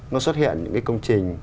nó xuất hiện những cái công trình